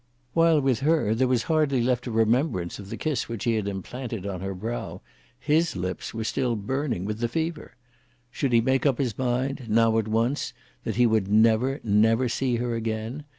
While with her there was hardly left a remembrance of the kiss which he had imprinted on her brow, his lips were still burning with the fever. Should he make up his mind, now at once, that he would never, never see her again?